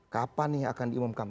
kapan nih yang akan diimumkan